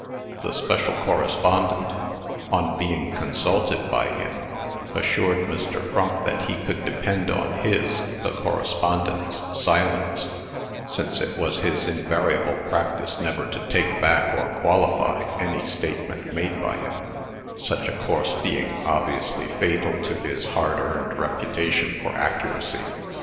The special correspondent, on being consulted by him, assured Mr. Frump that he could depend on his (the correspondent's) silence, since it was his invariable practice never to take back or qualify any statement made by him such a course being obviously fatal to his hard earned reputation for accuracy.